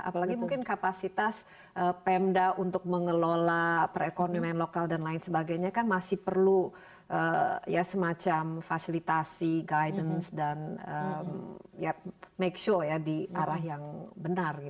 apalagi mungkin kapasitas pemda untuk mengelola perekonomian lokal dan lain sebagainya kan masih perlu ya semacam fasilitasi guidance dan ya make show ya di arah yang benar